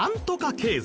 ○○経済。